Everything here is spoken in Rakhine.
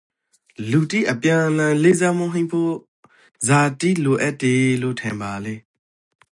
လူတိအပြန်အလှန်လေးစားမှုဟိမ့်ဖို့ဇာတိလိုအပ်တေလို့ ထင်ပါလဲ?